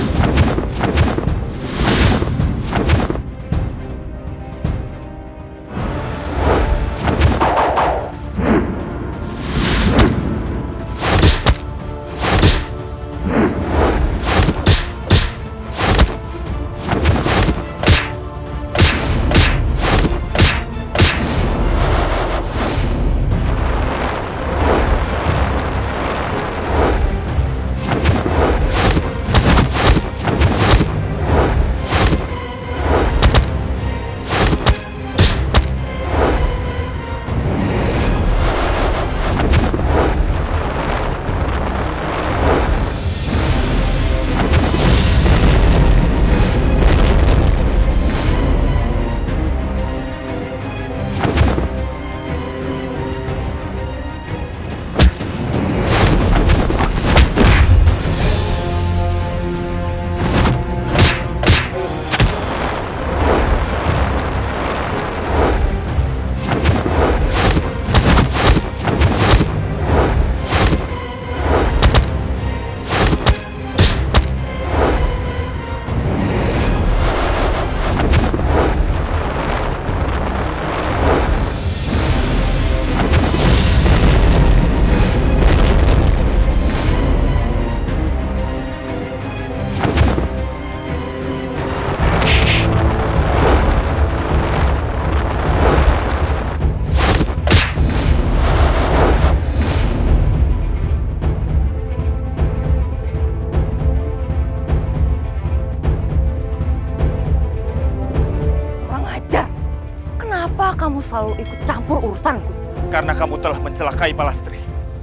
jangan pernah meremehkan kami